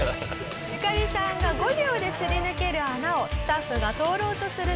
「ユカリさんが５秒ですり抜ける穴をスタッフが通ろうとすると」